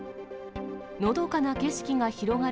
のどかな景色が広がる